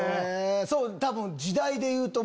多分時代でいうと。